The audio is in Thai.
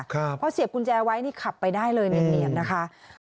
ครับเพราะเสียบกุญแจไว้นี่ขับไปได้เลยเหนียบเหนียบนะคะ